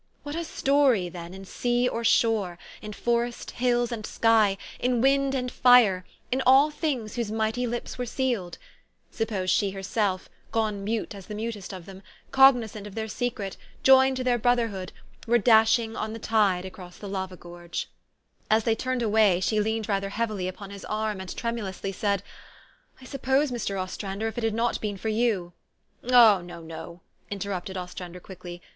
What a story, then, in sea or shore, in forest, hills, and sky, in wind and fire, in all things whose mighty lips were sealed ! Suppose she herself, gone mute as the mutest of them, cognizant of their secret, joined to thsir brotherhood, were dashing on the tide across the lava gorge. THE STORY OF AVIS. 85 As they turned away, she leaned rather heavily upon his arm, and tremulously said, "I suppose, Mr. Ostrander, if it had not been for you" u Ah, no, no!" interrupted Ostrander quickly.